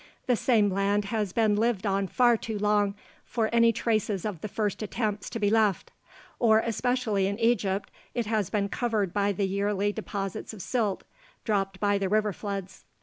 The same land has been lived on far too long for any traces of the first attempts to be left; or, especially in Egypt, it has been covered by the yearly deposits of silt, dropped by the river floods.